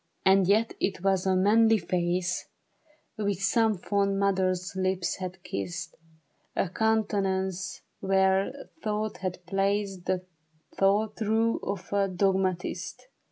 And yet it was a manly face Which some fond mother's lips had kissed, A countenance where thought had place— The thought, though of a dogmatist.